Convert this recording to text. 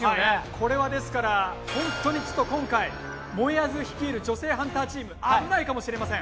これはですから本当にちょっと今回もえあず率いる女性ハンターチーム危ないかもしれません。